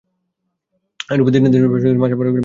এইরূপে দিনের পর দিন, মাসের পর মাস, বৎসরের পর বৎসর চলিয়া গেল।